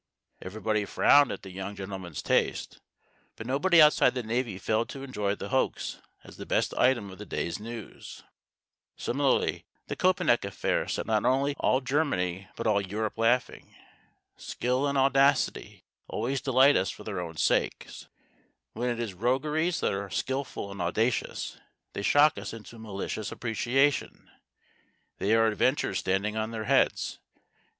Everybody frowned at the young gentleman's taste, but nobody outside the Navy failed to enjoy the hoax as the best item of the day's news. Similarly, the Köpenick affair set not only all Germany but all Europe laughing. Skill and audacity always delight us for their own sakes; when it is rogueries that are skilful and audacious, they shock us into malicious appreciation. They are adventures standing on their heads.